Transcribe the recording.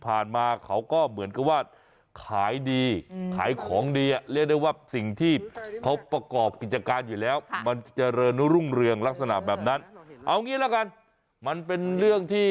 อันนี้ตั้งชื่อเจ้าแม่